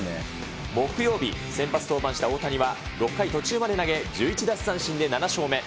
木曜日、先発登板した大谷は、６回途中まで投げ、１１奪三振で７勝目。